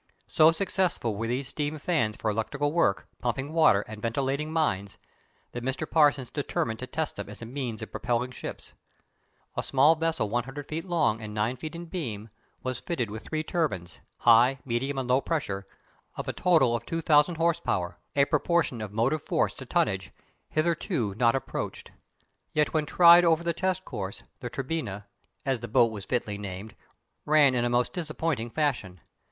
So successful were these steam fans for electrical work, pumping water and ventilating mines, that Mr. Parsons determined to test them as a means of propelling ships. A small vessel 100 feet long and 9 feet in beam was fitted with three turbines high, medium, and low pressure, of a total 2000 horse power a proportion of motive force to tonnage hitherto not approached. Yet when tried over the test course the Turbinia, as the boat was fitly named, ran in a most disappointing fashion.